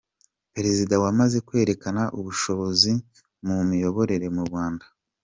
Perezida wamaze kwerekana ubushobozi mu miyoborere mu Rwanda.